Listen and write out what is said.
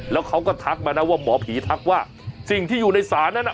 แล้วเขาก็ทักมานะว่าหมอผีทักว่าสิ่งที่อยู่ในศาลนั้นน่ะ